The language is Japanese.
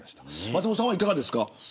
松本さんはいかがですか。